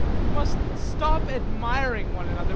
We must stop admiring one another.